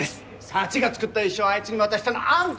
サチが作った衣装をあいつに渡したのあんたでしょ！？